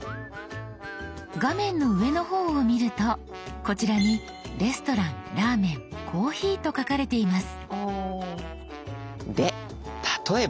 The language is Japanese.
画面の上の方を見るとこちらに「レストラン」「ラーメン」「コーヒー」と書かれています。